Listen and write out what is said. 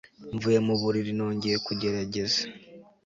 mvuye mu buriri nongeye kugerageza